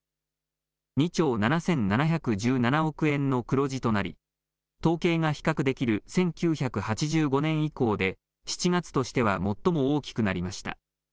２兆７７１７億円の黒字となり統計が比較できる１９８５年以降で７月としては最も大きくなりました。